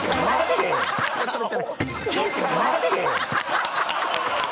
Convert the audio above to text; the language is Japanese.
ちょっと待てぃ！！